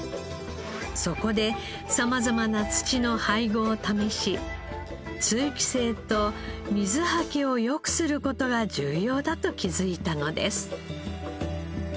そこで様々な土の配合を試し通気性と水はけを良くする事が重要だと気づいたのです。